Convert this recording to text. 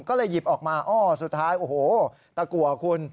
ก็เลยหยิบออกมาอ้อสุดท้ายโอ้โหตะกัวคุณ